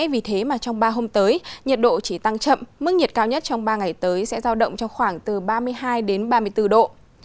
vì thế mà trong ba hôm tới nhiệt độ chỉ tăng chậm mức nhiệt cao nhất trong ba ngày tới sẽ giao động trong khoảng từ ba mươi hai đến ba mươi bốn độ